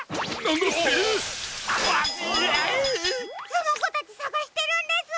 そのこたちさがしてるんです！